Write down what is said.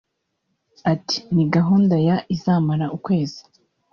Ati “Ni gahunda ya izamara ukwezi